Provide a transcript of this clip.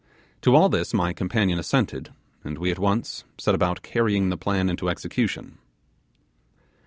To all this my companion assented, and we at once set about carrying the plan into execution.